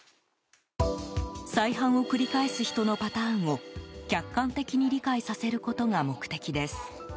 再犯を繰り返す人のパターンを客観的に理解させることが目的です。